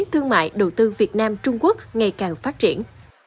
thương mại đầu tư việt nam trung quốc ngày càng phát triển